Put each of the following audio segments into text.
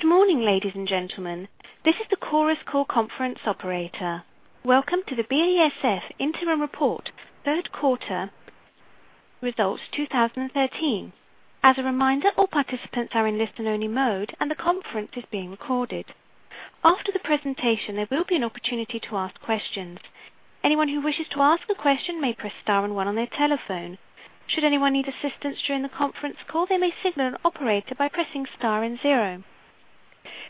Good morning, ladies and gentlemen. This is the Chorus Call Conference Operator. Welcome to the BASF Interim Report Third Quarter Results 2013. As a reminder, all participants are in listen-only mode, and the conference is being recorded. After the presentation, there will be an opportunity to ask questions. Anyone who wishes to ask a question may press star and one on their telephone. Should anyone need assistance during the conference call, they may signal an operator by pressing star and zero.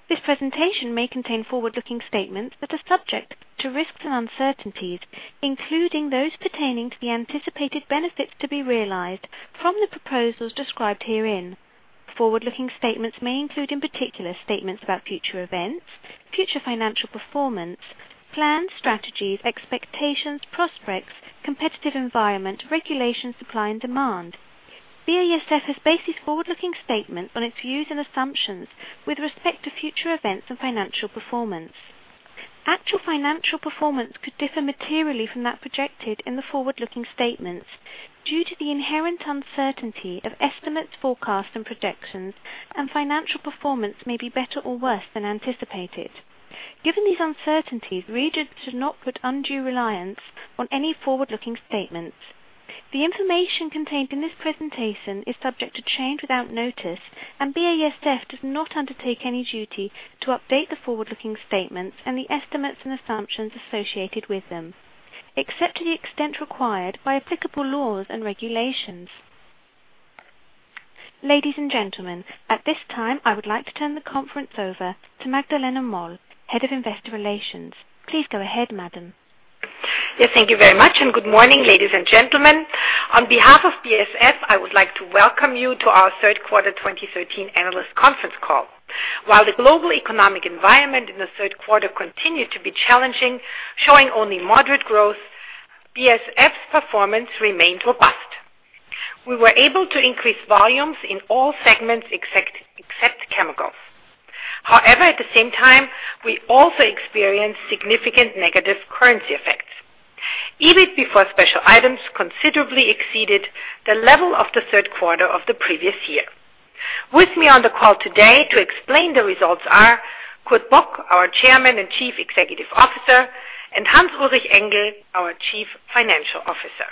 This presentation may contain forward-looking statements that are subject to risks and uncertainties, including those pertaining to the anticipated benefits to be realized from the proposals described herein. Forward-looking statements may include, in particular, statements about future events, future financial performance, plans, strategies, expectations, prospects, competitive environment, regulation, supply, and demand. BASF has based its forward-looking statement on its views and assumptions with respect to future events and financial performance. Actual financial performance could differ materially from that projected in the forward-looking statements due to the inherent uncertainty of estimates, forecasts, and projections, and financial performance may be better or worse than anticipated. Given these uncertainties, readers should not put undue reliance on any forward-looking statements. The information contained in this presentation is subject to change without notice, and BASF does not undertake any duty to update the forward-looking statements and the estimates and assumptions associated with them, except to the extent required by applicable laws and regulations. Ladies and gentlemen, at this time, I would like to turn the conference over to Magdalena Moll, Head of Investor Relations. Please go ahead, madam. Yes, thank you very much, and good morning, ladies and gentlemen. On behalf of BASF, I would like to welcome you to our third quarter 2013 analyst conference call. While the global economic environment in the third quarter continued to be challenging, showing only moderate growth, BASF's performance remained robust. We were able to increase volumes in all segments except chemicals. However, at the same time, we also experienced significant negative currency effects. EBIT before special items considerably exceeded the level of the third quarter of the previous year. With me on the call today to explain the results are Kurt Bock, our Chairman and Chief Executive Officer, and Hans-Ulrich Engel, our Chief Financial Officer.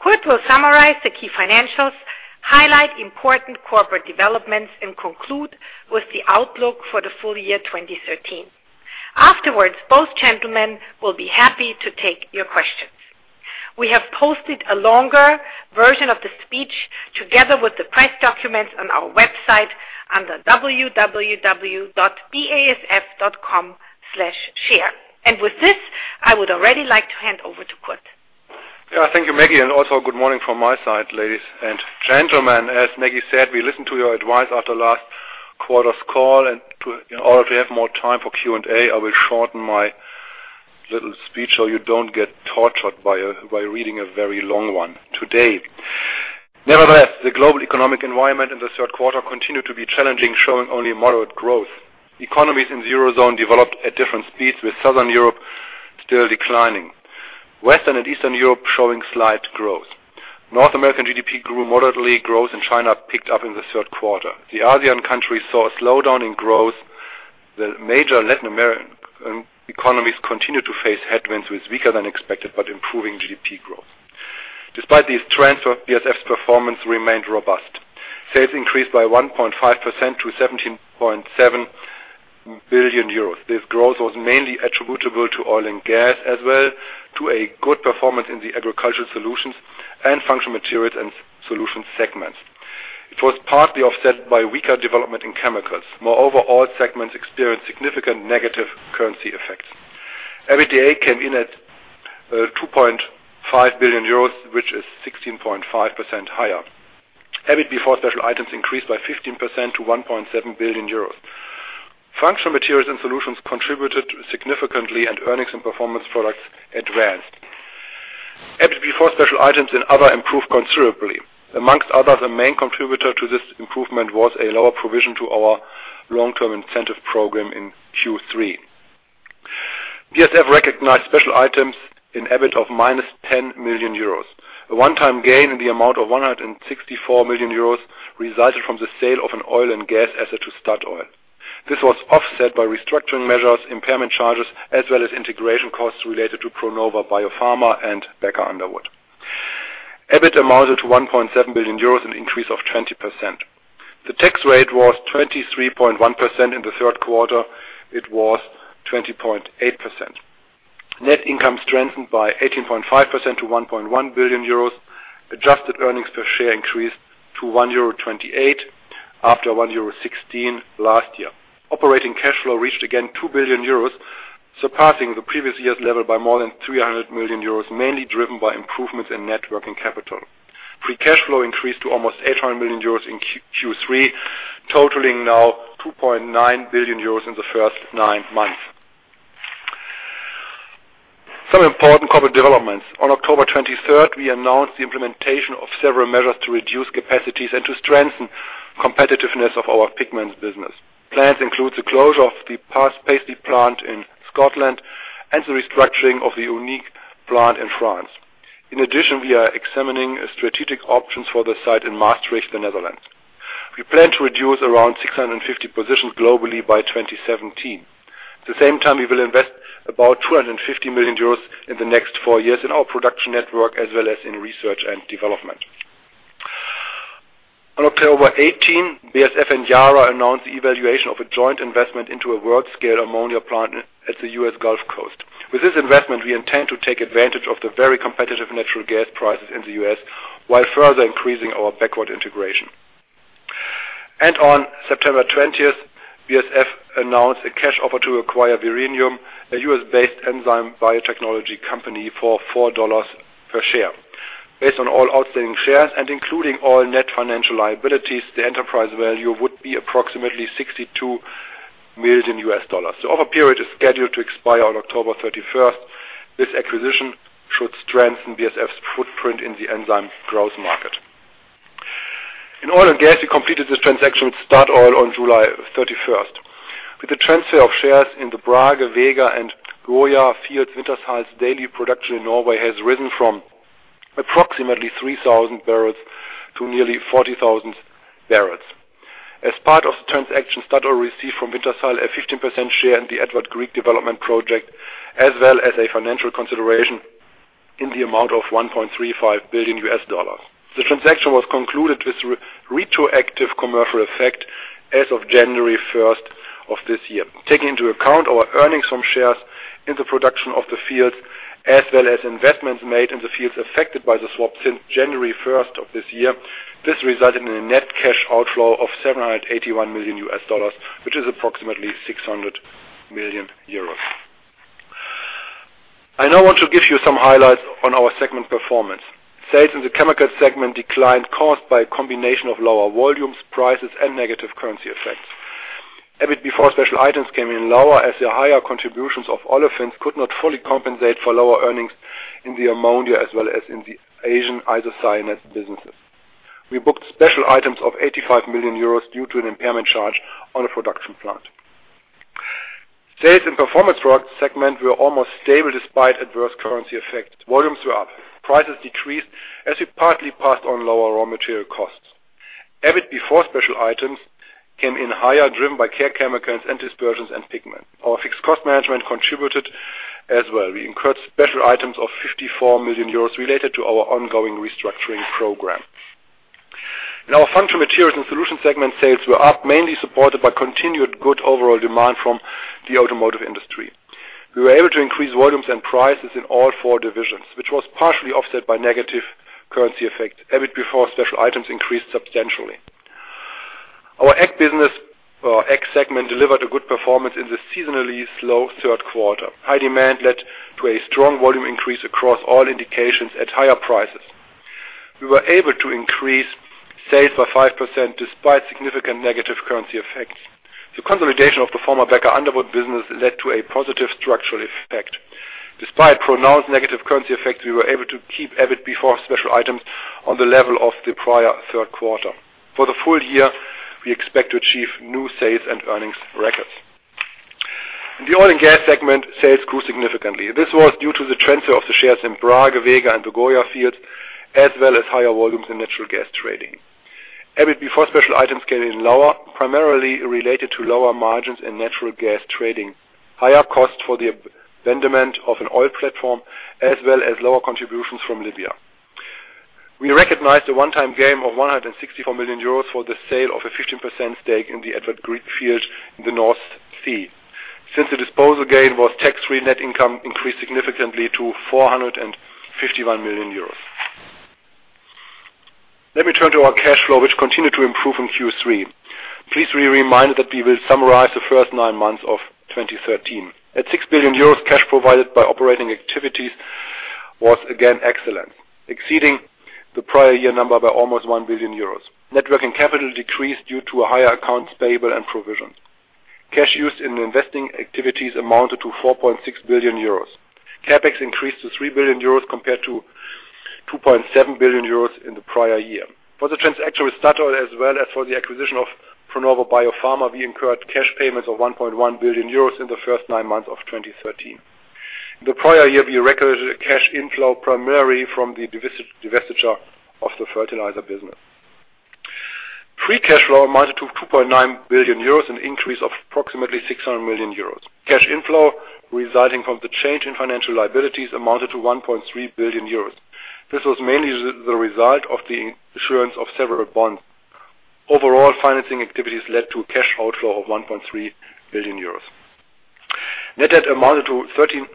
Kurt will summarize the key financials, highlight important corporate developments, and conclude with the outlook for the full year 2013. Afterwards, both gentlemen will be happy to take your questions. We have posted a longer version of the speech together with the press documents on our website under www.basf.com/share. With this, I would already like to hand over to Kurt. Yeah. Thank you, Magdalena, and also good morning from my side, ladies and gentlemen. As Magdalena said, we listened to your advice after last quarter's call, and in order to have more time for Q&A, I will shorten my little speech so you don't get tortured by reading a very long one today. Nevertheless, the global economic environment in the third quarter continued to be challenging, showing only moderate growth. Economies in the Eurozone developed at different speeds, with Southern Europe still declining, Western and Eastern Europe showing slight growth. North American GDP grew moderately. Growth in China picked up in the third quarter. The Asian countries saw a slowdown in growth. The major Latin American economies continued to face headwinds with weaker than expected but improving GDP growth. Despite these trends, BASF's performance remained robust. Sales increased by 1.5% to 17.7 billion euros. This growth was mainly attributable to oil and gas, as well as to a good performance in the Agricultural Solutions and Functional Materials and Solutions segments. It was partly offset by weaker development in chemicals. Moreover, all segments experienced significant negative currency effects. EBITDA came in at 2.5 billion euros, which is 16.5% higher. EBIT before special items increased by 15% to 1.7 billion euros. Functional Materials and Solutions contributed significantly, and Performance Products advanced. EBIT before special items and other improved considerably. Among others, a main contributor to this improvement was a lower provision to our long-term incentive program in Q3. BASF recognized special items in EBIT of -10 million euros. A one-time gain in the amount of 164 million euros resulted from the sale of an oil and gas asset to Statoil. This was offset by restructuring measures, impairment charges, as well as integration costs related to Pronova BioPharma and Becker Underwood. EBIT amounted to 1.7 billion euros, an increase of 20%. The tax rate was 23.1%. In the third quarter, it was 20.8%. Net income strengthened by 18.5% to 1.1 billion euros. Adjusted earnings per share increased to 1.28 euro after 1.16 euro last year. Operating cash flow reached again 2 billion euros, surpassing the previous year's level by more than 300 million euros, mainly driven by improvements in net working capital. Free cash flow increased to almost 800 million euros in Q3, totaling now 2.9 billion euros in the first nine months. Some important corporate developments. On October 23rd, we announced the implementation of several measures to reduce capacities and to strengthen competitiveness of our pigments business. Plans include the closure of the Paisley Plant in Scotland and the restructuring of the Huningue plant in France. In addition, we are examining strategic options for the site in Maastricht, the Netherlands. We plan to reduce around 650 positions globally by 2017. At the same time, we will invest about 250 million euros in the next four years in our production network as well as in research and development. On October 18th, BASF and Yara announced the evaluation of a joint investment into a world-scale ammonia plant at the U.S. Gulf Coast. With this investment, we intend to take advantage of the very competitive natural gas prices in the U.S. while further increasing our backward integration. On September 20th, BASF announced a cash offer to acquire Verenium, a U.S.-based enzyme biotechnology company, for $4 per share. Based on all outstanding shares and including all net financial liabilities, the enterprise value would be approximately $62 million. The offer period is scheduled to expire on October 31st. This acquisition should strengthen BASF's footprint in the enzyme growth market. In oil and gas, we completed the transaction with Statoil on July 31st. With the transfer of shares in the Brage, Vega, and Gjøa fields, Wintershall's daily production in Norway has risen from approximately 3,000 barrels to nearly 40,000 barrels. As part of the transaction, Statoil received from Wintershall a 15% share in the Edvard Grieg development project, as well as a financial consideration in the amount of $1.35 billion. The transaction was concluded with retroactive commercial effect as of January first of this year. Taking into account our earnings from shares in the production of the fields, as well as investments made in the fields affected by the swap since January first of this year, this resulted in a net cash outflow of $781 million, which is approximately 600 million euros. I now want to give you some highlights on our segment performance. Sales in the Chemicals segment declined, caused by a combination of lower volumes, prices, and negative currency effects. EBIT before special items came in lower as the higher contributions of olefins could not fully compensate for lower earnings in the ammonia as well as in the Asian isocyanates businesses. We booked special items of 85 million euros due to an impairment charge on a production plant. Sales in Performance Products segment were almost stable despite adverse currency effects. Volumes were up. Prices decreased as we partly passed on lower raw material costs. EBIT before special items came in higher, driven by care chemicals and dispersions and pigments. Our fixed cost management contributed as well. We incurred special items of 54 million euros related to our ongoing restructuring program. In our Functional Materials and Solutions segment, sales were up, mainly supported by continued good overall demand from the automotive industry. We were able to increase volumes and prices in all four divisions, which was partially offset by negative currency effect. EBIT before special items increased substantially. Our Ag business, or Ag segment delivered a good performance in the seasonally slow third quarter. High demand led to a strong volume increase across all indications at higher prices. We were able to increase sales by 5% despite significant negative currency effects. The consolidation of the former Becker Underwood business led to a positive structural effect. Despite pronounced negative currency effects, we were able to keep EBIT before special items on the level of the prior third quarter. For the full year, we expect to achieve new sales and earnings records. In the Oil and Gas segment, sales grew significantly. This was due to the transfer of the shares in Brage, Vega, and Gjøa fields, as well as higher volumes in natural gas trading. EBIT before special items came in lower, primarily related to lower margins in natural gas trading, higher costs for the abandonment of an oil platform, as well as lower contributions from Libya. We recognized a one-time gain of 164 million euros for the sale of a 15% stake in the Edvard Grieg field in the North Sea. Since the disposal gain was tax-free, net income increased significantly to 451 million euros. Let me turn to our cash flow, which continued to improve in Q3. Please be reminded that we will summarize the first nine months of 2013. At 6 billion euros, cash provided by operating activities was again excellent, exceeding the prior year number by almost 1 billion euros. Net working capital decreased due to higher accounts payable and provisions. Cash used in investing activities amounted to 4.6 billion euros. CapEx increased to 3 billion euros compared to 2.7 billion euros in the prior year. For the transaction with Statoil as well as for the acquisition of Pronova BioPharma, we incurred cash payments of 1.1 billion euros in the first nine months of 2013. In the prior year, we recorded a cash inflow primarily from the divestiture of the fertilizer business. Free cash flow amounted to 2.9 billion euros, an increase of approximately 600 million euros. Cash inflow resulting from the change in financial liabilities amounted to 1.3 billion euros. This was mainly the result of the issuance of several bonds. Overall, financing activities led to cash outflow of 1.3 billion euros. Net debt amounted to 13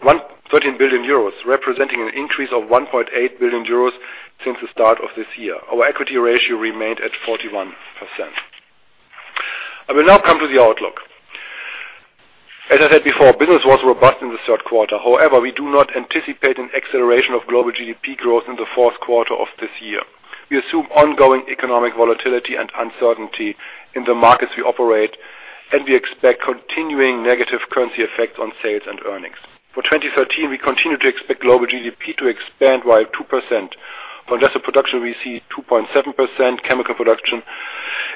billion euros, representing an increase of 1.8 billion euros since the start of this year. Our equity ratio remained at 41%. I will now come to the outlook. As I said before, business was robust in the third quarter. However, we do not anticipate an acceleration of global GDP growth in the fourth quarter of this year. We assume ongoing economic volatility and uncertainty in the markets we operate, and we expect continuing negative currency effects on sales and earnings. For 2013, we continue to expect global GDP to expand by 2%. For industrial production, we see 2.7%. Chemical production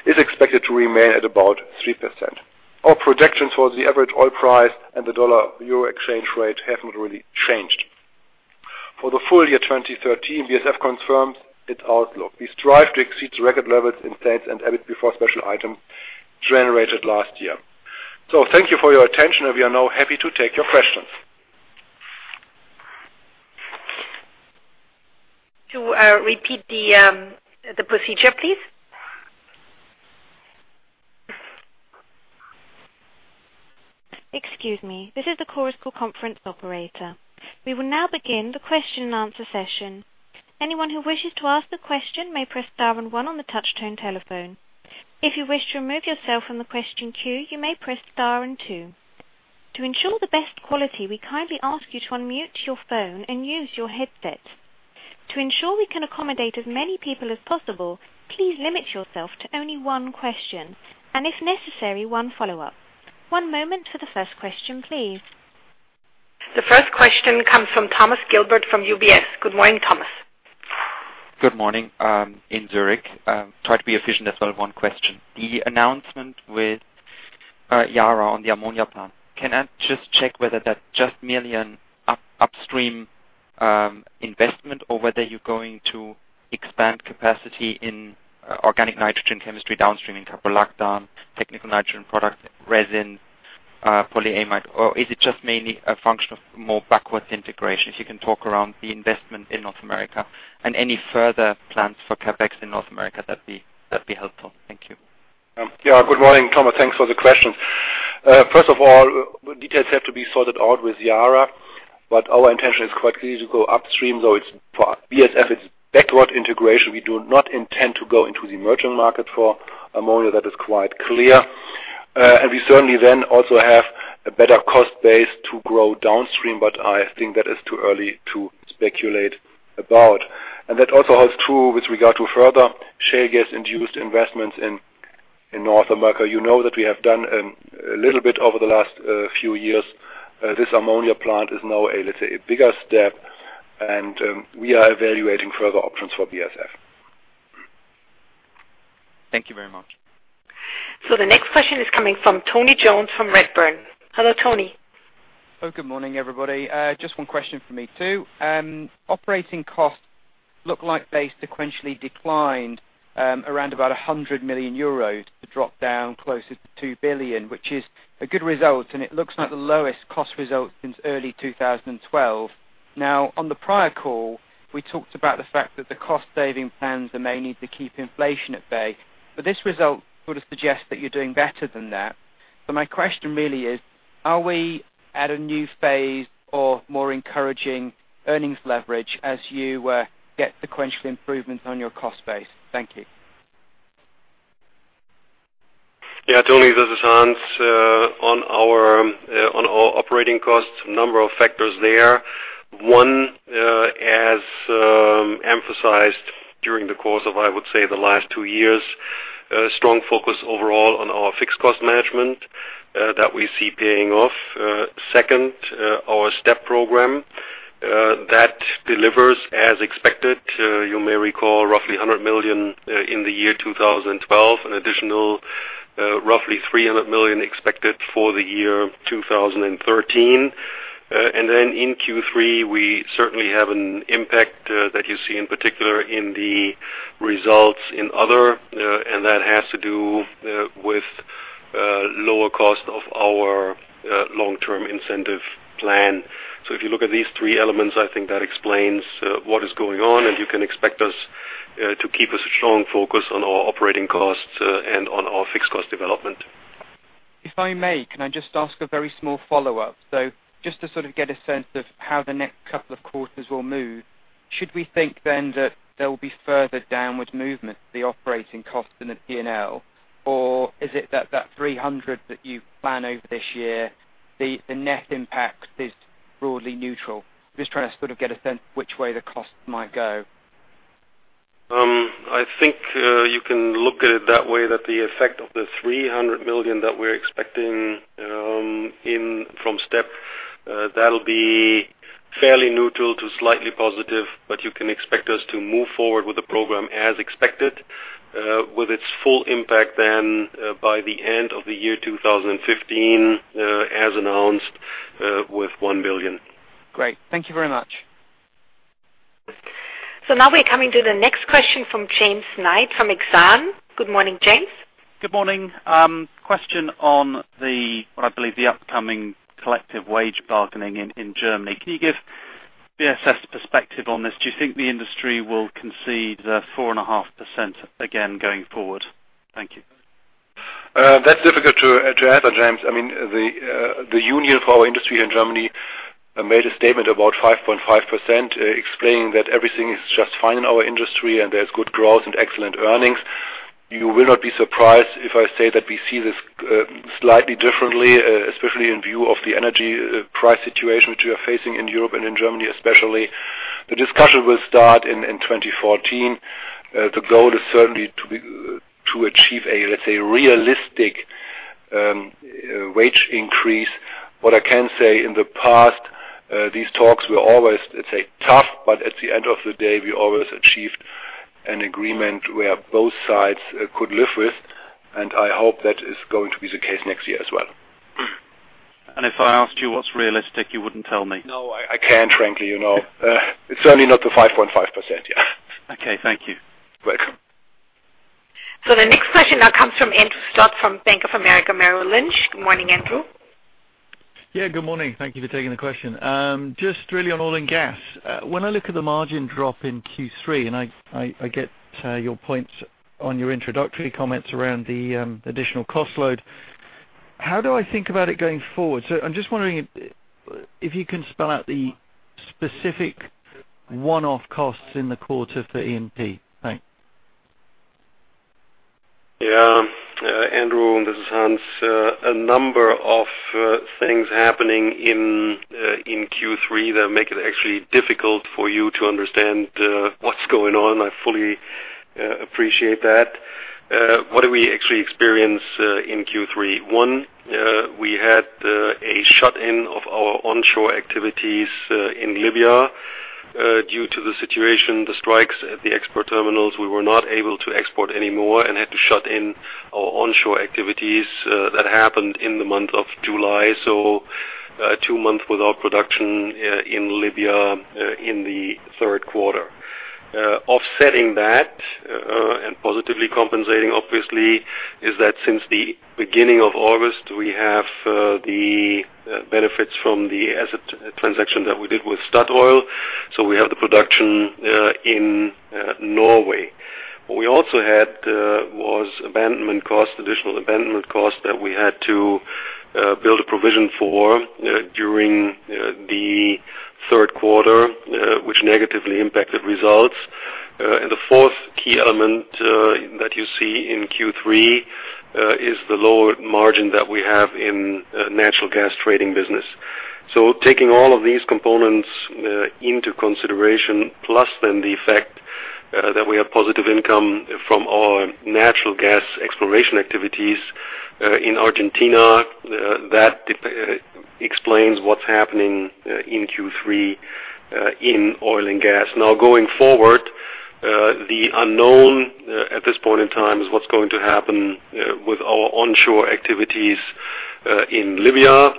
is expected to remain at about 3%. Our projections for the average oil price and the dollar-euro exchange rate haven't really changed. For the full year 2013, BASF confirms its outlook. We strive to exceed record levels in sales and EBIT before special items generated last year. Thank you for your attention, and we are now happy to take your questions. To repeat the procedure, please. Excuse me. This is the Chorus Call conference operator. We will now begin the question-and-answer session. Anyone who wishes to ask the question may press star and one on the touchtone telephone. If you wish to remove yourself from the question queue, you may press star and two. To ensure the best quality, we kindly ask you to unmute your phone and use your headset. To ensure we can accommodate as many people as possible, please limit yourself to only one question and if necessary, one follow-up. One moment for the first question, please. The first question comes from Thomas Gilbert from UBS. Good morning, Thomas. Good morning in Zurich. Try to be efficient as well, one question. The announcement with Yara on the ammonia plant, can I just check whether that's just merely an upstream investment or whether you're going to expand capacity in organic nitrogen chemistry downstream in caprolactam, technical nitrogen products, resin, polyamide? Or is it just mainly a function of more backwards integration? If you can talk around the investment in North America and any further plans for CapEx in North America, that'd be helpful. Thank you. Yeah. Good morning, Thomas. Thanks for the question. First of all, details have to be sorted out with Yara, but our intention is quite clear to go upstream. It's for BASF, it's backward integration. We do not intend to go into the merchant market for ammonia. That is quite clear. We certainly then also have a better cost base to grow downstream. I think that is too early to speculate about. That also holds true with regard to further shale gas-induced investments in North America. You know that we have done a little bit over the last few years. This ammonia plant is now a, let's say, a bigger step, and we are evaluating further options for BASF. Thank you very much. The next question is coming from Tony Jones from Redburn. Hello, Tony. Good morning, everybody. Just one question for me, too. Operating costs look like they sequentially declined around about 100 million euros to drop down closer to 2 billion, which is a good result, and it looks like the lowest cost result since early 2012. Now, on the prior call, we talked about the fact that the cost-saving plans are mainly to keep inflation at bay, but this result would suggest that you're doing better than that. My question really is, are we at a new phase or more encouraging earnings leverage as you get sequential improvements on your cost base? Thank you. Yeah, Tony, this is Hans. On our operating costs, a number of factors there. One, as emphasized during the course of, I would say, the last two years, a strong focus overall on our fixed cost management, that we see paying off. Second, our STEP program, that delivers as expected. You may recall roughly 100 million in the year 2012, an additional roughly 300 million expected for the year 2013. Then in Q3, we certainly have an impact that you see in particular in the results in other, and that has to do with lower cost of our long-term incentive plan. If you look at these three elements, I think that explains what is going on, and you can expect us to keep a strong focus on our operating costs and on our fixed cost development. If I may, can I just ask a very small follow-up? Just to sort of get a sense of how the next couple of quarters will move, should we think then that there will be further downward movement, the operating cost and the P&L? Or is it that 300 million that you plan over this year, the net impact is broadly neutral? Just trying to sort of get a sense of which way the cost might go. I think you can look at it that way, that the effect of the 300 million that we're expecting in from STEP, that'll be fairly neutral to slightly positive, but you can expect us to move forward with the program as expected, with its full impact then by the end of the year 2015, as announced, with 1 billion. Great. Thank you very much. Now we're coming to the next question from James Knight from Exane. Good morning, James. Good morning. Question on what I believe the upcoming collective wage bargaining in Germany. Can you give BASF's perspective on this? Do you think the industry will concede the 4.5% again going forward? Thank you. That's difficult to answer, James. I mean, the union for our industry here in Germany made a statement about 5.5%, explaining that everything is just fine in our industry and there's good growth and excellent earnings. You will not be surprised if I say that we see this slightly differently, especially in view of the energy price situation which we are facing in Europe and in Germany especially. The discussion will start in 2014. The goal is certainly to achieve a, let's say, realistic Wage increase. What I can say in the past, these talks were always, let's say, tough, but at the end of the day, we always achieved an agreement where both sides could live with, and I hope that is going to be the case next year as well. If I asked you what's realistic, you wouldn't tell me? No, I can't frankly, you know. It's certainly not the 5.5%, yeah. Okay, thank you. Welcome. The next question now comes from Andrew Stott from Bank of America Merrill Lynch. Good morning, Andrew. Yeah, good morning. Thank you for taking the question. Just really on oil and gas. When I look at the margin drop in Q3, and I get your points on your introductory comments around the additional cost load. How do I think about it going forward? I'm just wondering if you can spell out the specific one-off costs in the quarter for E&P. Thanks. Yeah. Andrew, this is Hans. A number of things happening in Q3 that make it actually difficult for you to understand what's going on. I fully appreciate that. What do we actually experience in Q3? One, we had a shut-in of our onshore activities in Libya due to the situation, the strikes at the export terminals. We were not able to export anymore and had to shut in our onshore activities. That happened in the month of July, so two months without production in Libya in the third quarter. Offsetting that and positively compensating obviously is that since the beginning of August, we have the benefits from the asset transaction that we did with Statoil, so we have the production in Norway. What we also had was abandonment costs, additional abandonment costs that we had to build a provision for during the third quarter, which negatively impacted results. The fourth key element that you see in Q3 is the lower margin that we have in natural gas trading business. Taking all of these components into consideration, plus then the effect that we have positive income from our natural gas exploration activities in Argentina, that explains what's happening in Q3 in oil and gas. Now going forward, the unknown at this point in time is what's going to happen with our onshore activities in Libya.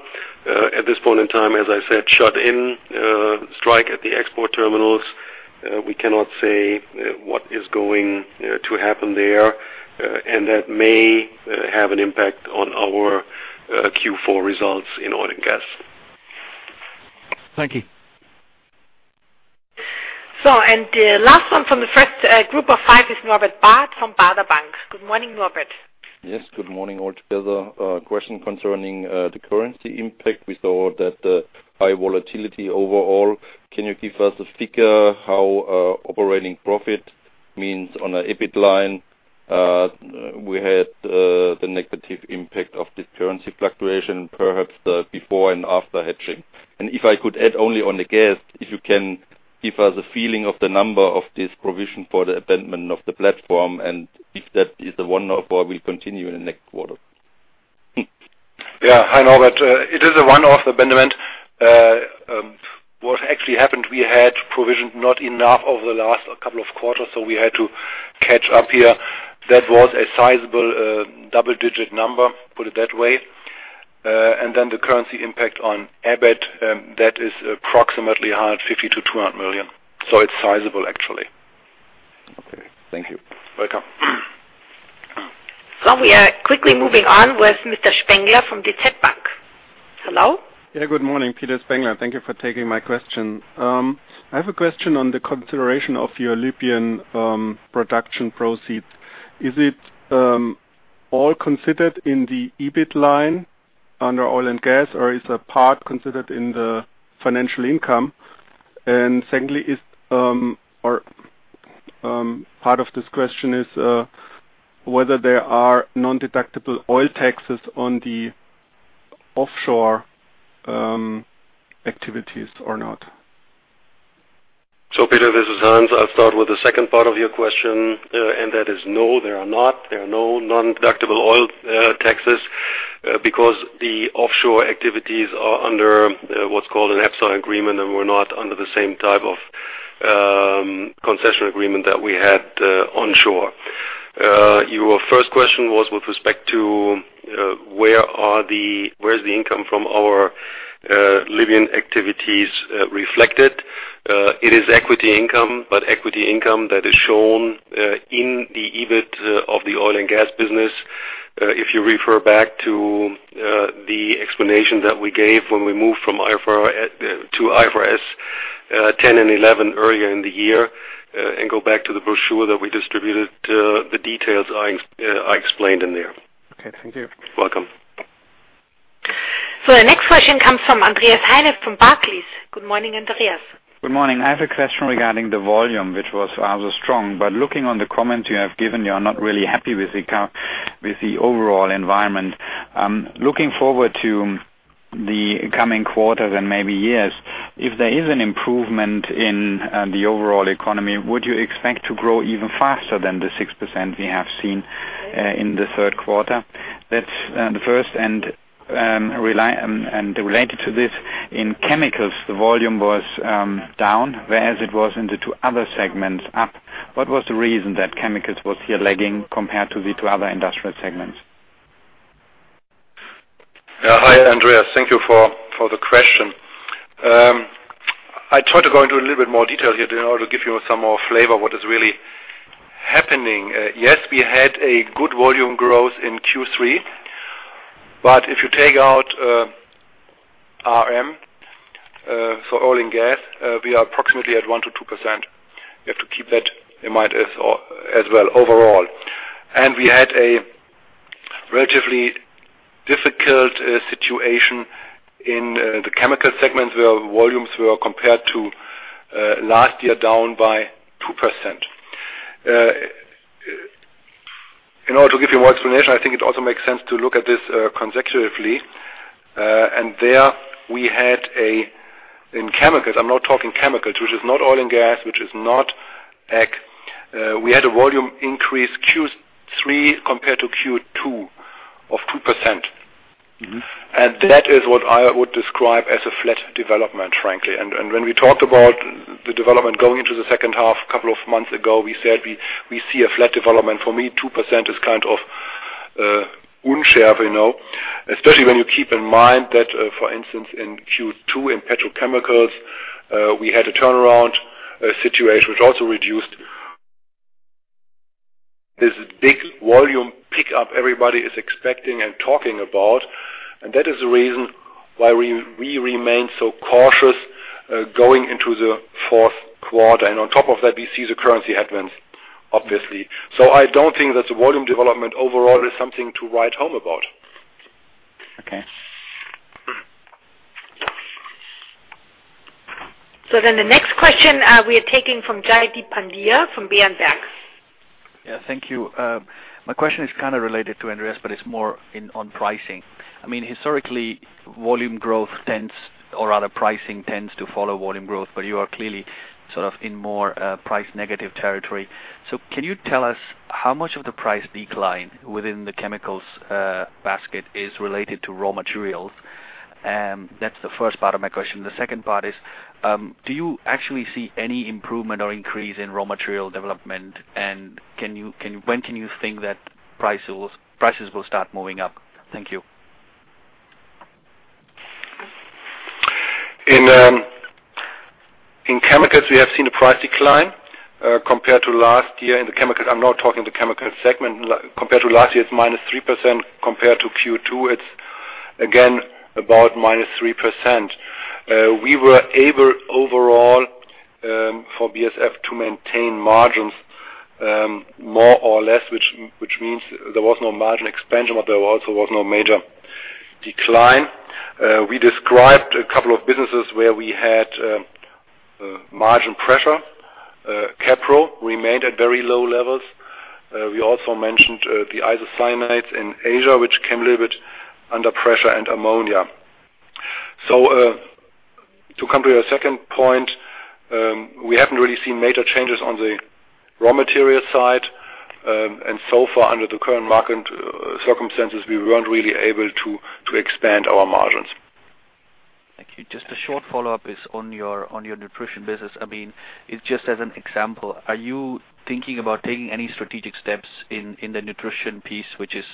At this point in time, as I said, shut-in. Strike at the export terminals. We cannot say what is going to happen there, and that may have an impact on our Q4 results in oil and gas. Thank you. The last one from the first group of five is Norbert Barth from Baader Bank. Good morning, Norbert. Yes, good morning all together. Question concerning the currency impact. We saw that high volatility overall. Can you give us a figure how operating profit means on a EBIT line? We had the negative impact of this currency fluctuation, perhaps the before and after hedging. If I could add only on the gas, if you can give us a feeling of the number of this provision for the abandonment of the platform and if that is a one-off or will continue in the next quarter. Hi Norbert, it is a one-off abandonment. What actually happened, we had provisioned not enough over the last couple of quarters, so we had to catch up here. That was a sizable double-digit number, put it that way. The currency impact on EBIT, that is approximately 150 million-200 million. It is sizable actually. Okay. Thank you. Welcome. We are quickly moving on with Mr. Spengler from DZ Bank. Hello? Yeah, good morning, Peter Spengler. Thank you for taking my question. I have a question on the consideration of your Libyan production proceeds. Is it all considered in the EBIT line under oil and gas, or is a part considered in the financial income? Secondly, part of this question is whether there are non-deductible oil taxes on the offshore activities or not. Peter, this is Hans. I'll start with the second part of your question, and that is no, there are not. There are no non-deductible oil taxes, because the offshore activities are under what's called an EPSA agreement, and we're not under the same type of concession agreement that we had onshore. Your first question was with respect to where is the income from our Libyan activities reflected? It is equity income, but equity income that is shown in the EBIT of the oil and gas business. If you refer back to the explanation that we gave when we moved from IFRS to IFRS 10 and 11 earlier in the year, and go back to the brochure that we distributed, the details are explained in there. Okay, thank you. Welcome. The next question comes from Andreas Heine from Barclays. Good morning, Andreas. Good morning. I have a question regarding the volume, which was also strong, but looking on the comment you have given, you are not really happy with the overall environment. Looking forward to- The coming quarters and maybe years, if there is an improvement in the overall economy, would you expect to grow even faster than the 6% we have seen in the third quarter? That's the first and related to this, in chemicals, the volume was down, whereas it was in the two other segments up. What was the reason that chemicals was here lagging compared to the two other industrial segments? Yeah. Hi, Andreas, thank you for the question. I try to go into a little bit more detail here in order to give you some more flavor what is really happening. Yes, we had a good volume growth in Q3, but if you take out OEM for oil and gas, we are approximately at 1%-2%. You have to keep that in mind as well overall. We had a relatively difficult situation in the chemical segment, where volumes were compared to last year, down by 2%. In order to give you more explanation, I think it also makes sense to look at this consecutively. There we had in chemicals. I'm now talking chemicals, which is not oil and gas, which is not Ag. We had a volume increase Q3 compared to Q2 of 2%. Mm-hmm. That is what I would describe as a flat development, frankly. When we talked about the development going into the second half a couple of months ago, we said we see a flat development. For me, 2% is kind of unsavory now, especially when you keep in mind that, for instance, in Q2, in petrochemicals, we had a turnaround, a situation which also reduced this big volume pickup everybody is expecting and talking about, and that is the reason why we remain so cautious going into the fourth quarter. On top of that, we see the currency headwinds, obviously. I don't think that the volume development overall is something to write home about. Okay. The next question, we are taking from Jaideep Pandya from Berenberg. Yeah, thank you. My question is kind of related to Andreas, but it's more in, on pricing. I mean, historically, volume growth tends or rather pricing tends to follow volume growth, but you are clearly sort of in more, price negative territory. Can you tell us how much of the price decline within the chemicals basket is related to raw materials? And that's the first part of my question. The second part is, do you actually see any improvement or increase in raw material development? And when can you think that prices will start moving up? Thank you. In chemicals, we have seen a price decline compared to last year. In the chemicals, I'm now talking the chemical segment. Compared to last year, it's minus 3%. Compared to Q2, it's again about minus 3%. We were able overall for BASF to maintain margins more or less, which means there was no margin expansion, but there also was no major decline. We described a couple of businesses where we had margin pressure. Caprolactam remained at very low levels. We also mentioned the isocyanates in Asia, which came a little bit under pressure and ammonia. To come to your second point, we haven't really seen major changes on the raw material side, and so far under the current market circumstances, we weren't really able to expand our margins. Thank you. Just a short follow-up is on your nutrition business. I mean, it's just as an example, are you thinking about taking any strategic steps in the nutrition piece, which is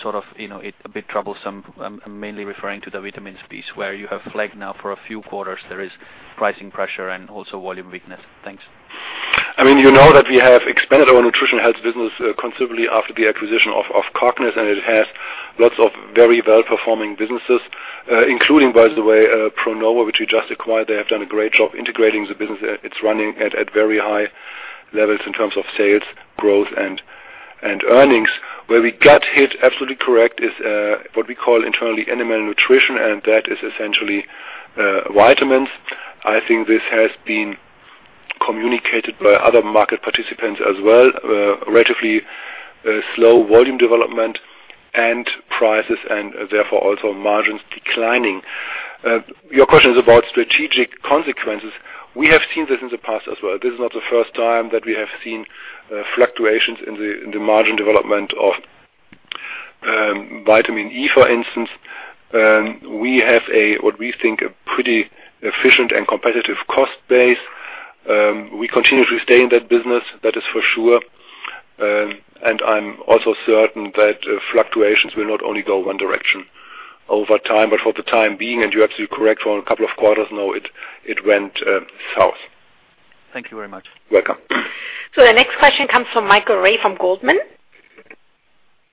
sort of, you know, it's a bit troublesome. I'm mainly referring to the vitamins piece where you have flagged now for a few quarters there is pricing pressure and also volume weakness. Thanks. I mean, you know that we have expanded our nutrition health business considerably after the acquisition of Cognis, and it has lots of very well-performing businesses, including, by the way, Pronova, which we just acquired. They have done a great job integrating the business. It's running at very high levels in terms of sales growth and earnings. Where we got hit, absolutely correct, is what we call internally animal nutrition, and that is essentially vitamins. I think this has been communicated by other market participants as well, relatively slow volume development and prices and therefore also margins declining. Your question is about strategic consequences. We have seen this in the past as well. This is not the first time that we have seen fluctuations in the margin development of vitamin E, for instance. We have a, what we think, a pretty efficient and competitive cost base. We continue to stay in that business, that is for sure. I'm also certain that fluctuations will not only go one direction over time, but for the time being, and you're absolutely correct, for a couple of quarters now, it went south. Thank you very much. Welcome. The next question comes from Michael Rae from Goldman.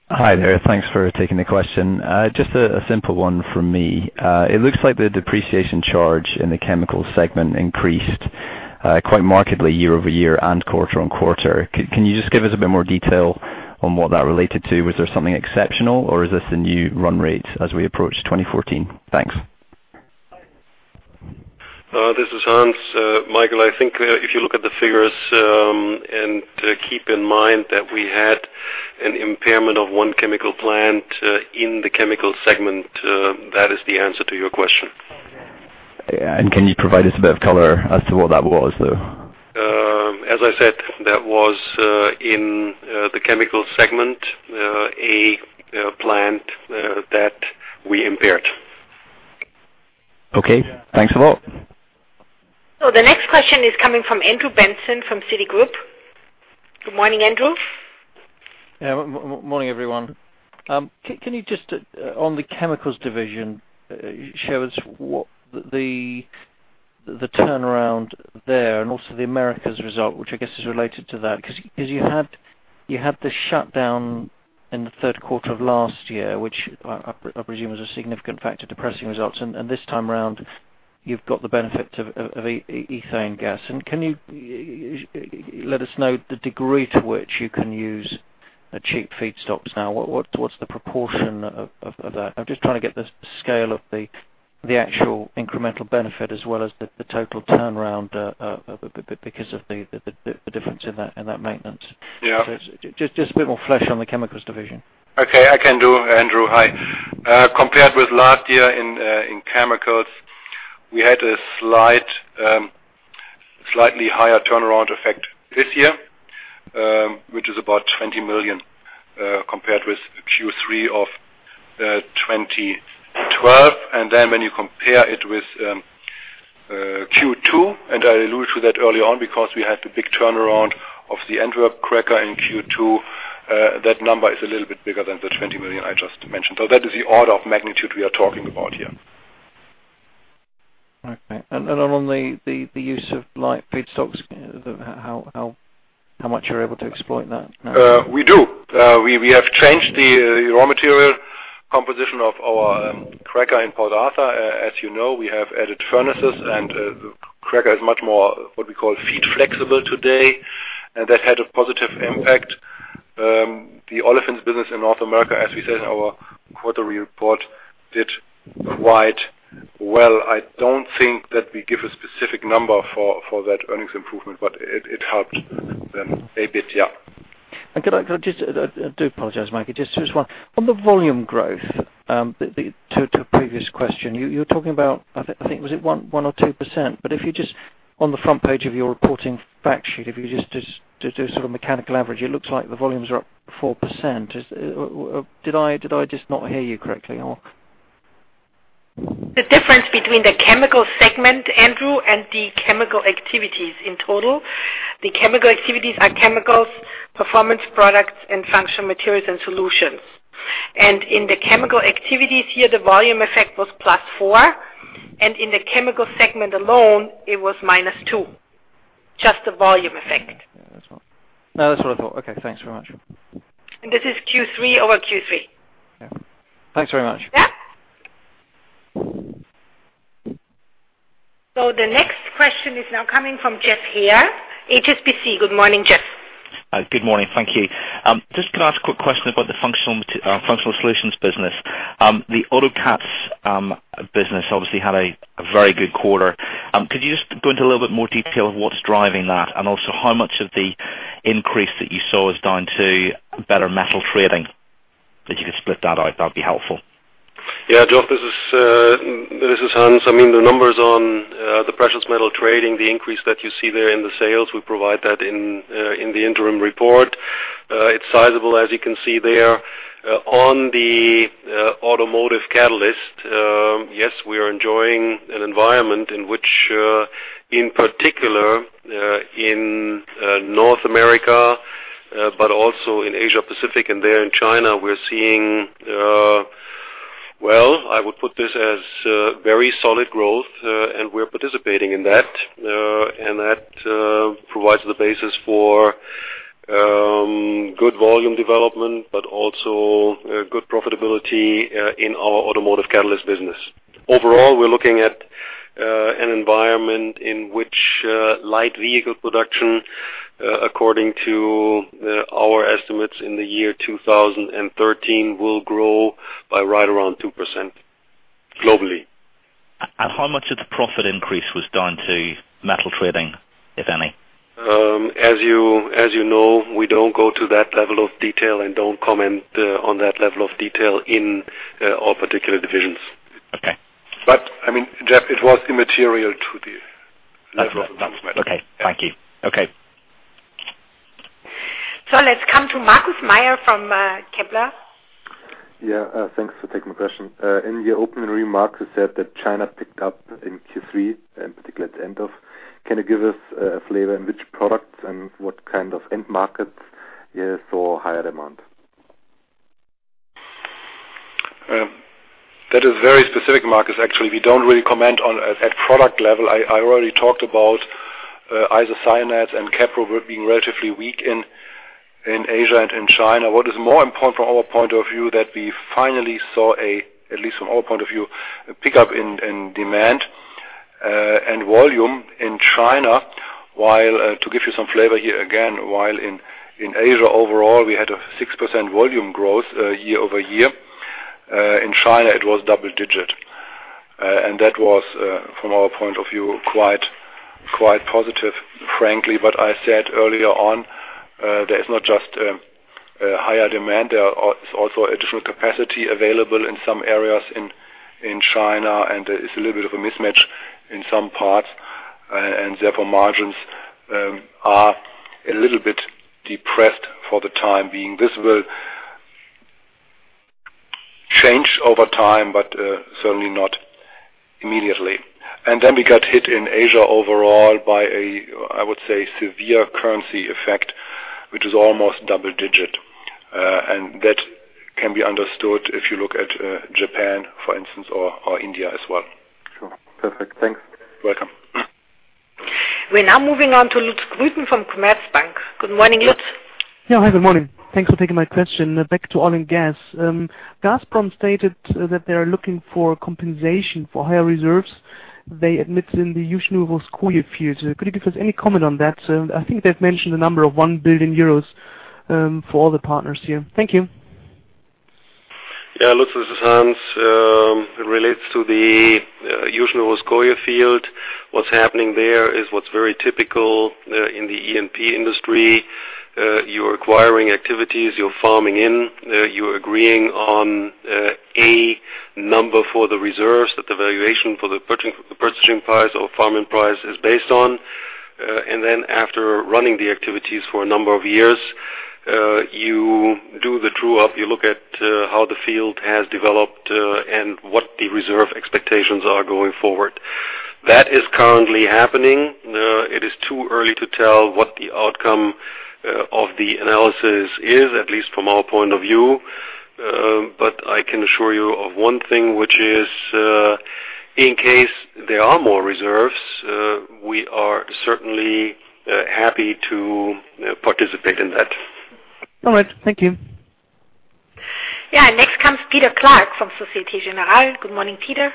Hi there. Thanks for taking the question. Just a simple one from me. It looks like the depreciation charge in the chemical segment increased quite markedly year-over-year and quarter-over-quarter. Can you just give us a bit more detail on what that related to? Was there something exceptional or is this the new run rate as we approach 2014? Thanks. This is Hans. Michael, I think if you look at the figures and keep in mind that we had an impairment of one chemical plant in the chemical segment, that is the answer to your question. Can you provide us a bit of color as to what that was, though? As I said, that was in the chemical segment, a plant that we impaired. Okay, thanks a lot. The next question is coming from Andrew Benson from Citigroup. Good morning, Andrew. Morning, everyone. Can you just, on the chemicals division, show us what the turnaround there and also the Americas result, which I guess is related to that. Because you had the shutdown in the third quarter of last year, which I presume is a significant factor depressing results. This time around, you've got the benefit of ethane gas. Can you let us know the degree to which you can use the cheap feedstocks now? What's the proportion of that? I'm just trying to get the scale of the actual incremental benefit as well as the total turnaround because of the difference in that maintenance. Yeah. Just a bit more flesh on the chemicals division. Okay, I can do, Andrew. Hi. Compared with last year in chemicals, we had a slightly higher turnaround effect this year, which is about 20 million compared with Q3 of 2012. Then when you compare it with Q2, and I alluded to that early on because we had the big turnaround of the Antwerp cracker in Q2, that number is a little bit bigger than the 20 million I just mentioned. That is the order of magnitude we are talking about here. Okay. On the use of light feedstocks, how much you're able to exploit that now? We do. We have changed the raw material composition of our cracker in Port Arthur. As you know, we have added furnaces, and the cracker is much more what we call feed flexible today, and that had a positive impact. The olefins business in North America, as we said in our quarterly report, did quite well. I don't think that we give a specific number for that earnings improvement, but it helped them a bit, yeah. Could I just. I do apologize, Michael. Just one. On the volume growth, to a previous question, you're talking about, I think it was 1% or 2%. But if you just on the front page of your reporting fact sheet, if you just do a sort of mechanical average, it looks like the volumes are up 4%. Did I just not hear you correctly or? The difference between the chemical segment, Andrew, and the chemical activities in total. The chemical activities are chemicals, performance products and functional materials and solutions. In the chemical activities here, the volume effect was +4%, and in the chemical segment alone, it was -2%. Just the volume effect. No, that's what I thought. Okay, thanks very much. And this is Q3 over Q3. Yeah. Thanks very much. Yeah. The next question is now coming from Jeremy Hare, HSBC. Good morning, Jeremy. Good morning. Thank you. Just gonna ask a quick question about the functional solutions business. The auto cats business obviously had a very good quarter. Could you just go into a little bit more detail of what's driving that? Also, how much of the increase that you saw is down to better metal trading? If you could split that out, that'd be helpful. Yeah, Jeff, this is Hans. I mean, the numbers on the precious metal trading, the increase that you see there in the sales, we provide that in the interim report. It's sizable, as you can see there. On the automotive catalyst, yes, we are enjoying an environment in which, in particular, in North America, but also in Asia-Pacific and there in China, we're seeing, well, I would put this as very solid growth, and we're participating in that. And that provides the basis for good volume development, but also good profitability in our automotive catalyst business. Overall, we're looking at an environment in which light vehicle production, according to our estimates in the year 2013, will grow by right around 2% globally. How much of the profit increase was down to metal trading, if any? As you know, we don't go to that level of detail and don't comment on that level of detail in our particular divisions. Okay. I mean, Jeff, it was immaterial to the level of That's what I was getting at. Okay. Thank you. Okay. Let's come to Markus Mayer from Kepler. Yeah, thanks for taking my question. In your opening remarks, you said that China picked up in Q3, and particularly at the end of. Can you give us a flavor of which products and what kind of end markets you saw higher demand? That is very specific, Markus. Actually, we don't really comment on product level. I already talked about isocyanates and caprolactam being relatively weak in Asia and in China. What is more important from our point of view that we finally saw, at least from our point of view, a pickup in demand and volume in China. While to give you some flavor here again, while in Asia overall, we had a 6% volume growth year-over-year. In China it was double-digit, and that was from our point of view, quite positive, frankly. I said earlier on, there is not just a higher demand, there is also additional capacity available in some areas in China, and there's a little bit of a mismatch in some parts, and therefore margins are a little bit depressed for the time being. This will change over time, but certainly not immediately. Then we got hit in Asia overall by a, I would say, severe currency effect, which is almost double digit. That can be understood if you look at Japan, for instance, or India as well. Sure. Perfect. Thanks. Welcome. We're now moving on to Lutz Grüten from Commerzbank. Good morning, Lutz. Yeah. Hi, good morning. Thanks for taking my question. Back to oil and gas. Gazprom stated that they are looking for compensation for higher reserves they added in the Yuzhno-Russkoye field. Could you give us any comment on that? I think they've mentioned the number of 1 billion euros for all the partners here. Thank you. Yeah. Lutz, this is Hans. Relates to the Yuzhno-Russkoye field. What's happening there is what's very typical in the E&P industry. You're acquiring activities, you're farming in, you're agreeing on a number for the reserves that the valuation for the purchasing price or farming price is based on. And then after running the activities for a number of years, you do the true up, you look at how the field has developed, and what the reserve expectations are going forward. That is currently happening. It is too early to tell what the outcome of the analysis is, at least from our point of view. But I can assure you of one thing, which is, in case there are more reserves, we are certainly happy to participate in that. All right. Thank you. Yeah. Next comes Peter Clark from Société Générale. Good morning, Peter.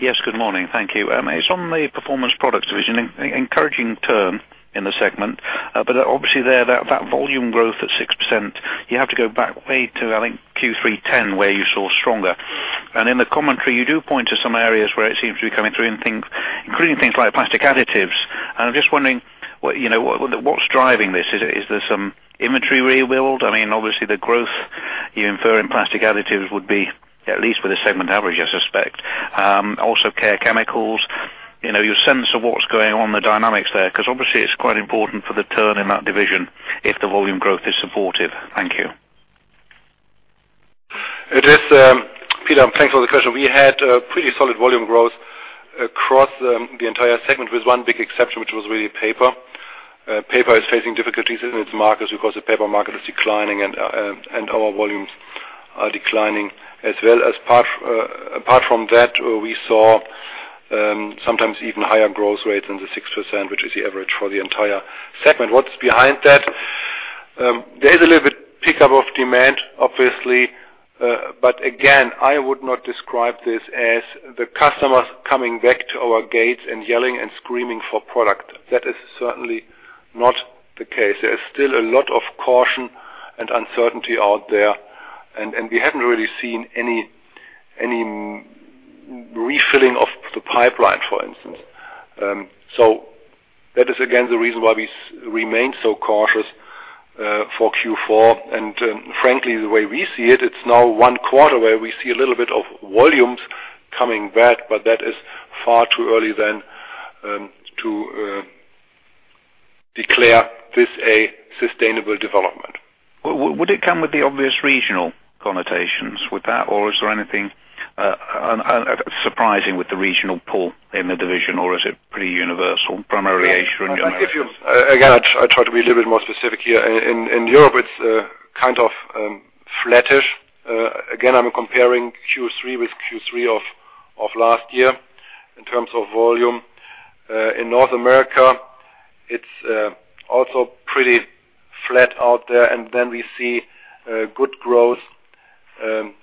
Yes, good morning. Thank you. It's on the Performance Products division. Encouraging term in the segment, but obviously there that volume growth at 6%, you have to go back way to, I think, Q3 2010, where you saw stronger. In the commentary, you do point to some areas where it seems to be coming through in things, including things like plastic additives. I'm just wondering what, you know, what's driving this? Is, is there some inventory rebuild? I mean, obviously, the growth you infer in plastic additives would be at least with a segment average, I suspect. Also care chemicals, you know, your sense of what's going on, the dynamics there, 'cause obviously, it's quite important for the turn in that division if the volume growth is supportive. Thank you. It is, Peter, and thanks for the question. We had pretty solid volume growth across the entire segment with one big exception, which was really paper. Paper is facing difficulties in its markets because the paper market is declining and our volumes are declining as well. Apart from that, we saw sometimes even higher growth rates than the 6%, which is the average for the entire segment. What's behind that? There is a little bit pick-up of demand, obviously, but again, I would not describe this as the customers coming back to our gates and yelling and screaming for product. That is certainly not the case. There is still a lot of caution and uncertainty out there, and we haven't really seen any refilling of the pipeline, for instance. that is again the reason why we remain so cautious for Q4. Frankly, the way we see it's now one quarter where we see a little bit of volumes coming back, but that is far too early then to declare this a sustainable development. Would it come with the obvious regional connotations with that? Or is there anything, unsurprising with the regional pull in the division, or is it pretty universal, primarily Asia and Europe? Again, I try to be a little bit more specific here. In Europe, it's kind of flattish. Again, I'm comparing Q3 with Q3 of last year in terms of volume. In North America, it's also pretty flat out there, and then we see good growth in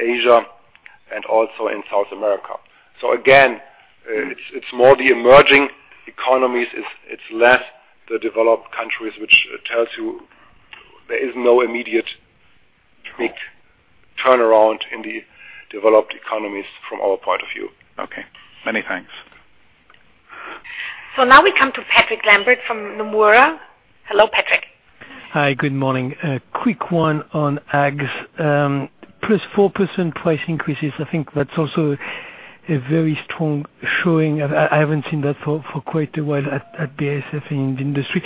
Asia and also in South America. Again, it's more the emerging economies. It's less the developed countries, which tells you there is no immediate big turnaround in the developed economies from our point of view. Okay. Many thanks. Now we come to Patrick Lambert from Nomura. Hello, Patrick. Hi, good morning. A quick one on Ags. +4% price increases, I think that's also a very strong showing. I haven't seen that for quite a while at BASF in the industry.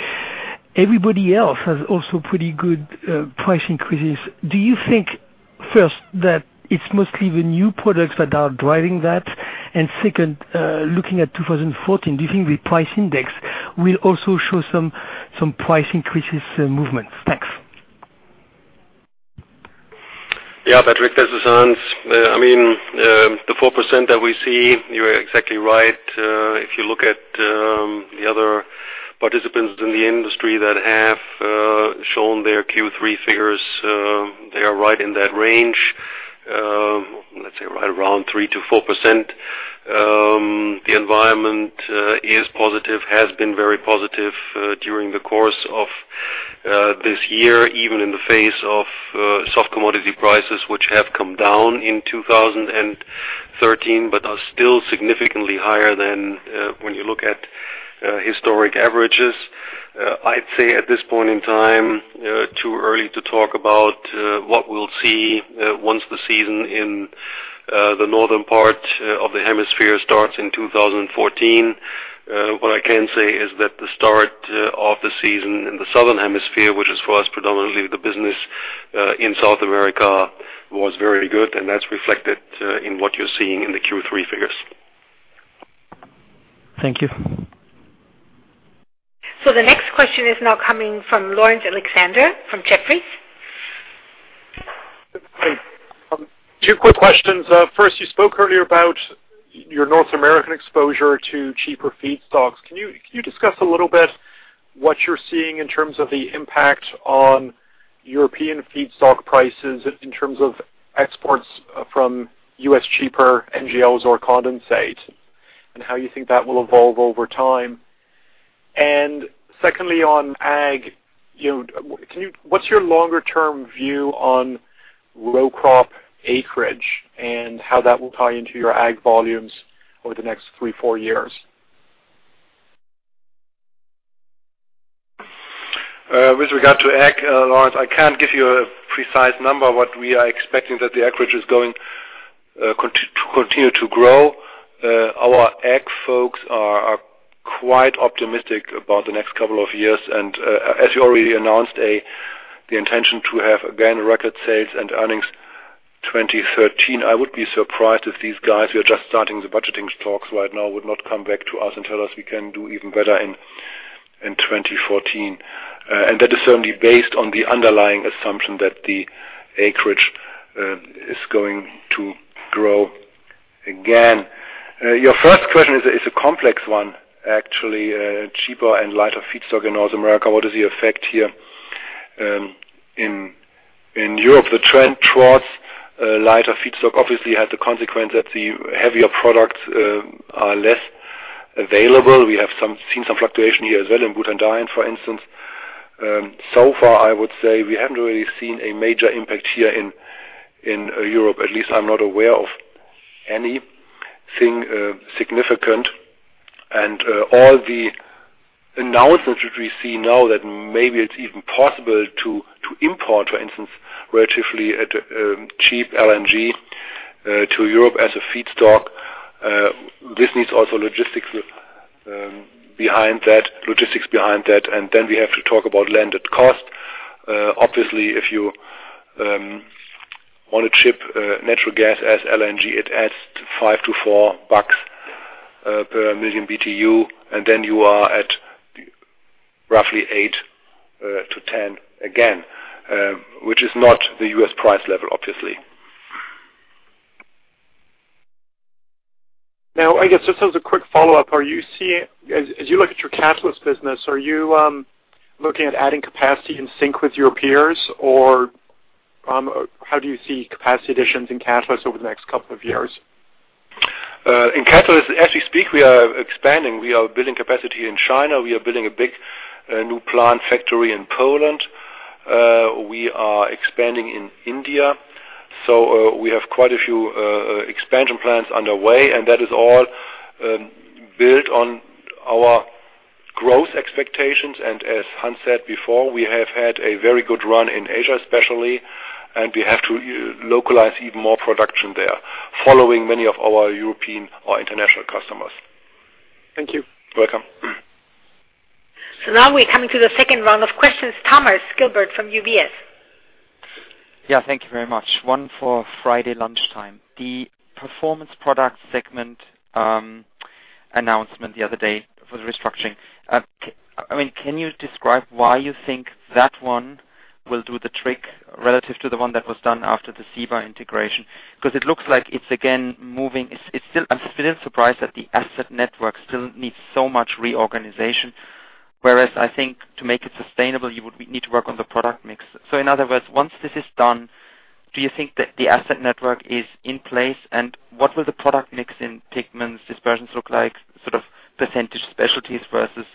Everybody else has also pretty good price increases. Do you think, first, that it's mostly the new products that are driving that? Second, looking at 2014, do you think the price index will also show some price increases movements? Thanks. Yeah, Patrick, this is Hans. I mean, the 4% that we see, you're exactly right. If you look at the other participants in the industry that have shown their Q3 figures, they are right in that range. Let's say right around 3%-4%. The environment is positive, has been very positive, during the course of this year, even in the face of soft commodity prices, which have come down in 2013, but are still significantly higher than when you look at historic averages. I'd say at this point in time, too early to talk about what we'll see once the season in the northern part of the hemisphere starts in 2014. What I can say is that the start of the season in the Southern Hemisphere, which is for us predominantly the business in South America, was very good, and that's reflected in what you're seeing in the Q3 figures. Thank you. The next question is now coming from Laurence Alexander from Jefferies. Hi. Two quick questions. First, you spoke earlier about your North American exposure to cheaper feedstocks. Can you discuss a little bit what you're seeing in terms of the impact on European feedstock prices in terms of exports from U.S. cheaper NGLs or condensate, and how you think that will evolve over time? Secondly, on ag, what's your longer-term view on row crop acreage and how that will tie into your ag volumes over the next three-four years? With regard to Ag, Laurence, I can't give you a precise number, what we are expecting that the acreage is going to continue to grow. Our Ag folks are quite optimistic about the next couple of years. As you already announced the intention to have again record sales and earnings 2013, I would be surprised if these guys who are just starting the budgeting talks right now would not come back to us and tell us we can do even better in 2014. That is certainly based on the underlying assumption that the acreage is going to grow again. Your first question is a complex one, actually, cheaper and lighter feedstock in North America. What is the effect here in Europe? The trend towards lighter feedstock obviously has the consequence that the heavier products are less available. We have seen some fluctuation here as well in butadiene, for instance. So far, I would say we haven't really seen a major impact here in Europe. At least I'm not aware of anything significant. All the announcements we see now that maybe it's even possible to import, for instance, relatively cheap LNG to Europe as a feedstock, this needs also logistics behind that, and then we have to talk about landed cost. Obviously, if you wanna ship natural gas as LNG, it adds $4-$5 per million BTU, and then you are at roughly $8-$10 again, which is not the U.S. price level. Now, I guess just as a quick follow-up, are you seeing as you look at your catalysts business, are you looking at adding capacity in sync with your peers, or how do you see capacity additions in catalysts over the next couple of years? In catalysts, as we speak, we are expanding. We are building capacity in China. We are building a big new plant factory in Poland. We are expanding in India. We have quite a few expansion plans underway, and that is all built on our growth expectations. As Hans said before, we have had a very good run in Asia, especially, and we have to localize even more production there, following many of our European or international customers. Thank you. Welcome. Now we're coming to the second round of questions. Thomas Gilbert from UBS. Thank you very much. One for Friday lunchtime. The Performance Products segment announcement the other day for the restructuring. Can you describe why you think that one will do the trick relative to the one that was done after the Ciba integration? Because it looks like it's again moving, it's still. I'm still surprised that the asset network still needs so much reorganization, whereas I think to make it sustainable, you would need to work on the product mix. In other words, once this is done, do you think that the asset network is in place, and what will the product mix in pigments, dispersions look like, sort of percentage specialties versus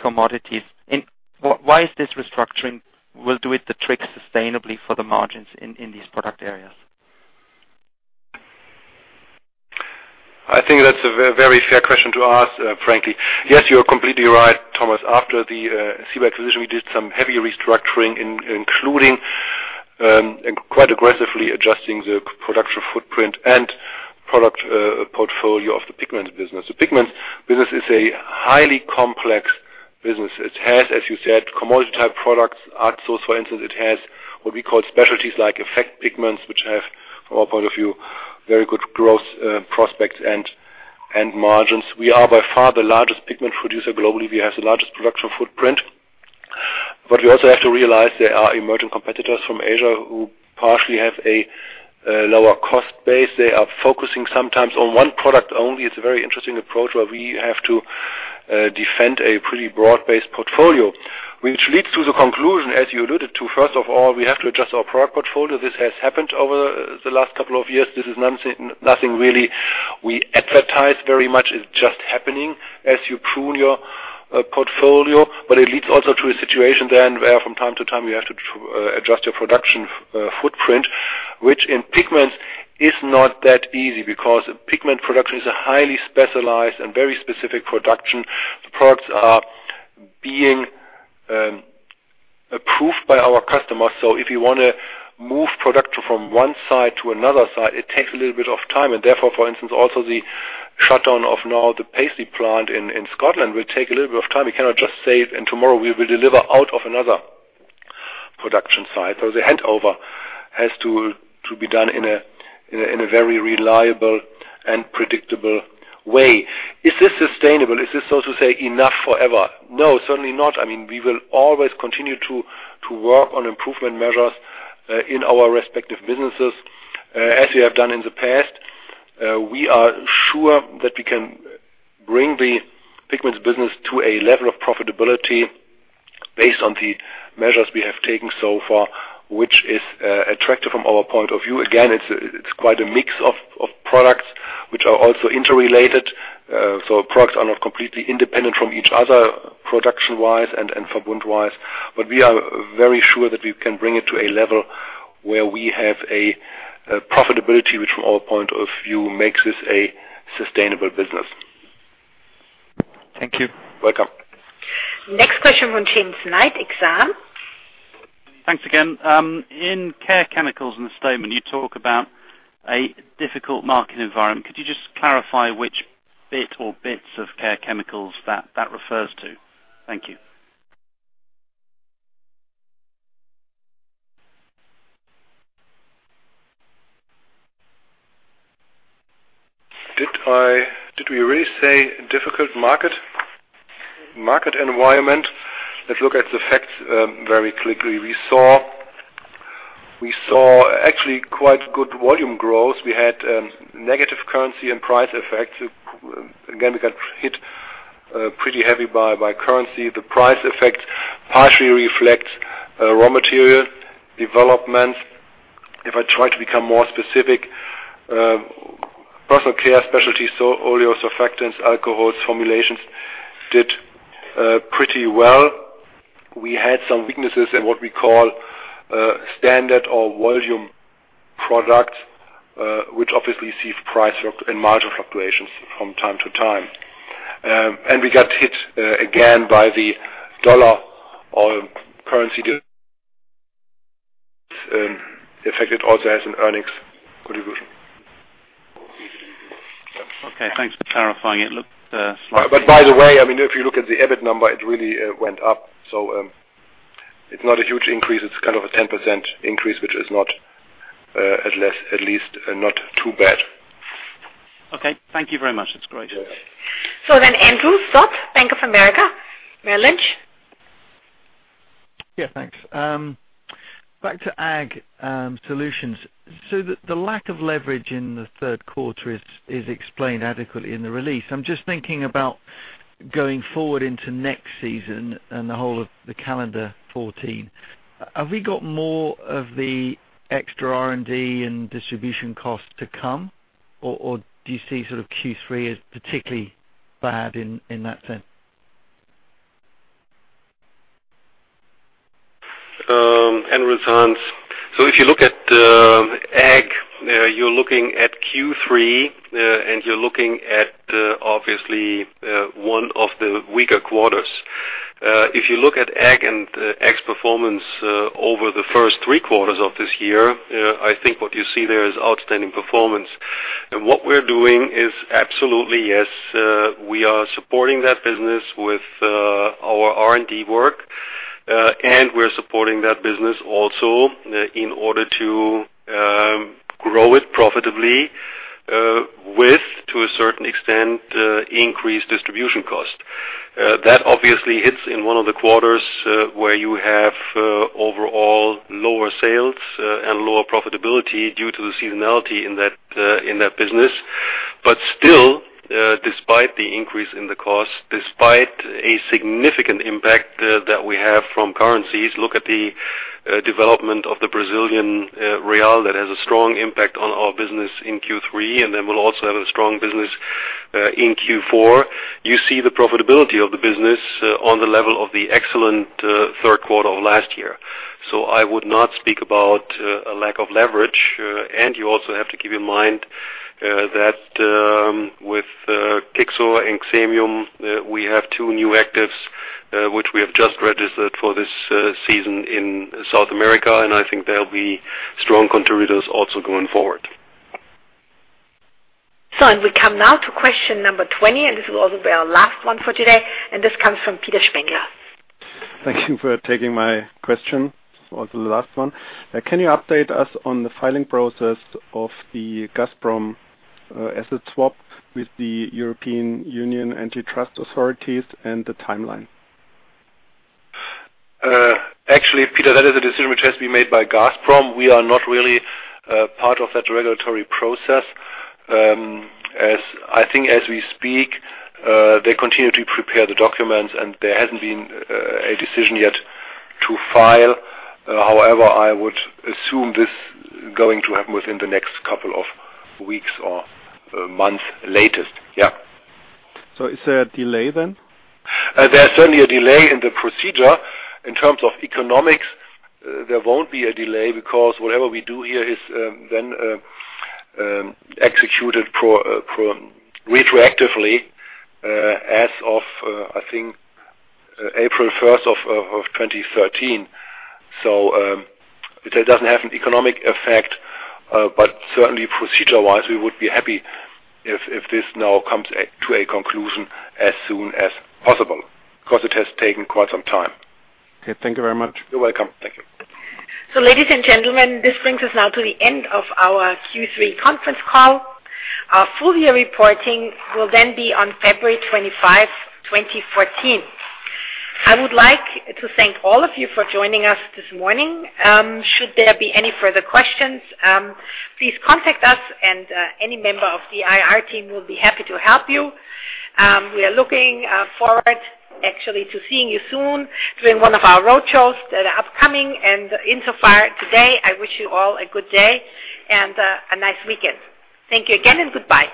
commodities? And why is this restructuring will do it the trick sustainably for the margins in these product areas? I think that's a very fair question to ask, frankly. Yes, you're completely right, Thomas. After the Ciba acquisition, we did some heavy restructuring, including and quite aggressively adjusting the production footprint and product portfolio of the pigments business. The pigments business is a highly complex business. It has, as you said, commodity-type products, Art Source, for instance. It has what we call specialties like effect pigments, which have, from our point of view, very good growth prospects and margins. We are by far the largest pigment producer globally. We have the largest production footprint. We also have to realize there are emerging competitors from Asia who partially have a lower cost base. They are focusing sometimes on one product only. It's a very interesting approach where we have to defend a pretty broad-based portfolio. Which leads to the conclusion, as you alluded to, first of all, we have to adjust our product portfolio. This has happened over the last couple of years. This is nothing really we advertise very much. It's just happening as you prune your portfolio, but it leads also to a situation then where from time to time, you have to adjust your production footprint. Which in pigments is not that easy because pigment production is a highly specialized and very specific production. The products are being approved by our customers. So if you wanna move product from one site to another site, it takes a little bit of time. Therefore, for instance, also the shutdown of now the PAISLEY plant in Scotland will take a little bit of time. We cannot just say, "And tomorrow we will deliver out of another production site." The handover has to be done in a very reliable and predictable way. Is this sustainable? Is this, so to say, enough forever? No, certainly not. I mean, we will always continue to work on improvement measures in our respective businesses as we have done in the past. We are sure that we can bring the pigments business to a level of profitability based on the measures we have taken so far, which is attractive from our point of view. Again, it's quite a mix of products which are also interrelated. Products are not completely independent from each other production-wise and fab-wise. We are very sure that we can bring it to a level where we have a profitability, which from our point of view, makes this a sustainable business. Thank you. Welcome. Next question from James Knight, Exane. Thanks again. In Care Chemicals, in the statement, you talk about a difficult market environment. Could you just clarify which bit or bits of Care Chemicals that refers to? Thank you. Did we really say difficult market environment? Let's look at the facts, very quickly. We saw actually quite good volume growth. We had negative currency and price effects. Again, we got hit pretty heavy by currency. The price effect partially reflects raw material development. If I try to become more specific, Personal Care specialties, so oleo surfactants, alcohols, formulations did pretty well. We had some weaknesses in what we call standard or volume products, which obviously see price and margin fluctuations from time to time. We got hit again by the dollar or currency effect. It also has an earnings contribution. Okay. Thanks for clarifying. by the way, I mean, if you look at the EBIT number, it really went up. It's not a huge increase. It's kind of a 10% increase, which is not, at least, not too bad. Okay. Thank you very much. That's great. Yes. Andrew Stott, Bank of America Merrill Lynch. Yeah, thanks. Back to Ag Solutions. The lack of leverage in the third quarter is explained adequately in the release. I'm just thinking about going forward into next season and the whole of the calendar 2014. Have we got more of the extra R&D and distribution costs to come, or do you see sort of Q3 as particularly bad in that sense? Andrew, it's Hans. If you look at Ag, you're looking at Q3, and you're looking at obviously one of the weaker quarters. If you look at Ag and Ag's performance over the first three quarters of this year, I think what you see there is outstanding performance. What we're doing is absolutely, yes, we are supporting that business with our R&D work, and we're supporting that business also in order to grow it profitably, with, to a certain extent, increased distribution cost. That obviously hits in one of the quarters where you have overall lower sales and lower profitability due to the seasonality in that business. Still, despite the increase in the cost, despite a significant impact that we have from currencies, look at the development of the Brazilian real that has a strong impact on our business in Q3, and then we'll also have a strong business in Q4. You see the profitability of the business on the level of the excellent third quarter of last year. I would not speak about a lack of leverage. You also have to keep in mind that with Kixor and Xemium, we have two new actives which we have just registered for this season in South America, and I think they'll be strong contributors also going forward. We come now to question number 20, and this will also be our last one for today, and this comes from Peter Spengler. Thank you for taking my question. Also the last one. Can you update us on the filing process of the Gazprom asset swap with the European Union antitrust authorities and the timeline? Actually, Peter, that is a decision which has to be made by Gazprom. We are not really part of that regulatory process. As I think as we speak, they continue to prepare the documents, and there hasn't been a decision yet to file. However, I would assume this going to happen within the next couple of weeks or months latest. Is there a delay then? There's certainly a delay in the procedure. In terms of economics, there won't be a delay because whatever we do here is then executed retroactively as of, I think, April first of 2013. That doesn't have an economic effect, but certainly procedure-wise, we would be happy if this now comes to a conclusion as soon as possible because it has taken quite some time. Okay. Thank you very much. You're welcome. Thank you. Ladies and gentlemen, this brings us now to the end of our Q3 conference call. Our full year reporting will then be on February 25th, 2014. I would like to thank all of you for joining us this morning. Should there be any further questions, please contact us and any member of the IR team will be happy to help you. We are looking forward actually to seeing you soon during one of our roadshows that are upcoming. Insofar today, I wish you all a good day and a nice weekend. Thank you again and goodbye.